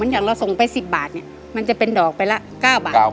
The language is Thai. อย่างเราส่งไป๑๐บาทมันจะเป็นดอกไปละ๙บาท